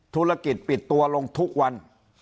ธุรกิจปิดตัวลงทุกวัน